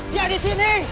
dia di sini